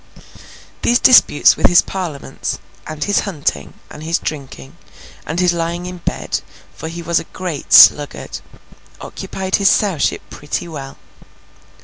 These disputes with his Parliaments, and his hunting, and his drinking, and his lying in bed—for he was a great sluggard—occupied his Sowship pretty well.